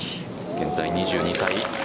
現在２２歳。